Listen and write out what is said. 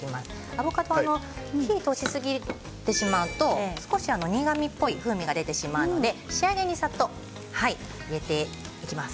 アボカドは火を通しすぎてしまうと少し苦味っぽい風味が出てしまうので仕上げに、さっと入れていきます。